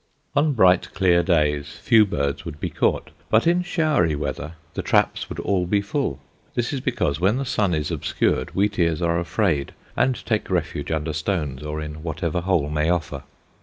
On bright clear days few birds would be caught, but in showery weather the traps would all be full; this is because when the sun is obscured wheatears are afraid and take refuge under stones or in whatever hole may offer.